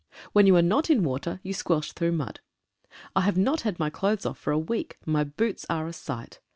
When you are not in water you squelch through mud. I have not had my clothes off for a week. My boots are a sight.